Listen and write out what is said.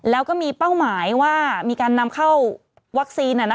แล้วก็มีเป้าหมายว่ามีการนำเข้าวัคซีน